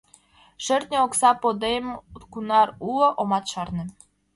Шӧртньӧ окса подем кунар уло — омат шарне...